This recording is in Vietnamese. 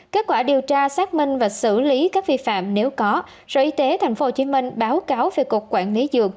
kết quả điều tra xác minh và xử lý các vi phạm nếu có sở y tế tp hcm báo cáo về cục quản lý dược